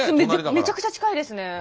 めちゃくちゃ近いですね。